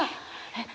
え！